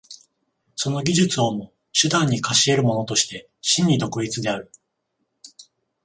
その技術をも手段に化し得るものとして真に独立である。